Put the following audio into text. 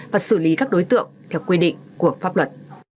và xử lý các đối tượng theo quy định của pháp luật